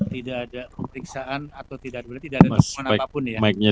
tidak ada periksaan atau tidak berarti tidak ada dukungan apapun ya